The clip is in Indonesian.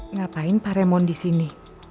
ngapain pak remon disini